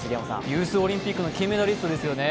ユースオリンピックの金メダリストですよね。